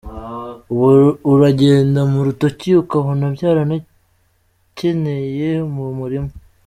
Ubu, uragenda mu rutoki ukabona byaranekeye mu murima.